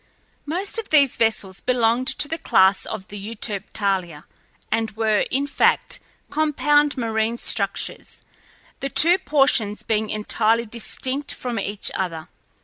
Most of these vessels belonged to the class of the Euterpe Thalia, and were, in fact, compound marine structures, the two portions being entirely distinct from each other.